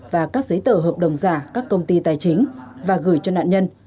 và các giấy tờ hợp đồng giả các công ty tài chính và gửi cho nạn nhân